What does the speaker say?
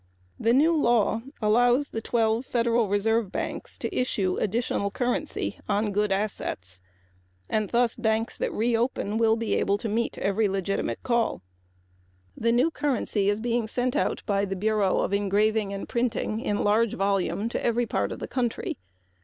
The new law allows the twelve Federal Reserve Banks to issue additional currency on good assets and thus the banks which reopen will be able to meet every legitimate call. The new currency is being sent out by the Bureau of Engraving and Printing in large volume to every part of the country.